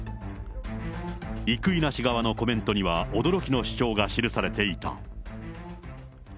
生稲氏側のコメントには、驚きの主張が記されていた。